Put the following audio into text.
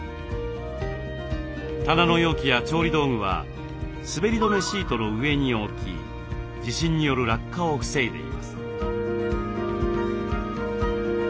棚の容器や調理道具は滑り止めシートの上に置き地震による落下を防いでいます。